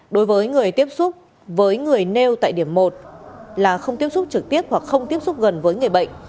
đối với người tiếp xúc với người nêu tại điểm một là không tiếp xúc trực tiếp hoặc không tiếp xúc gần với người bệnh